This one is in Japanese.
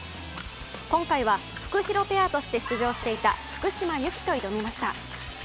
今回はフクヒロペアとして出場していた福島由紀と挑みました。